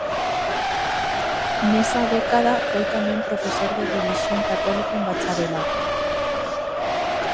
Nesa década foi tamén profesor de relixión católica en bacharelato.